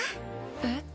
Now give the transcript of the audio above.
えっ？